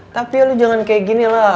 tapi ya lo jangan kayak ginilah